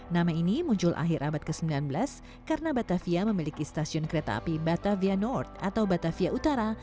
nama ini muncul akhir abad ke sembilan belas karena batavia memiliki stasiun kereta api batavia north atau batavia utara